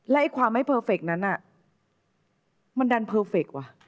และความไม่เพอร์เฟคนั้นมันดันเพอร์เฟคว่ะ